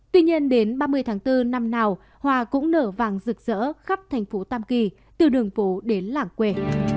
tuy nhiên đến ba mươi tháng bốn năm nào hòa cũng nở vàng rực rỡ khắp thành phố tam kỳ từ đường phố đến làng quê